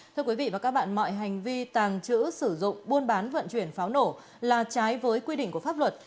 thưa quý vị và các bạn mọi hành vi tàng trữ sử dụng buôn bán vận chuyển pháo nổ là trái với quy định của pháp luật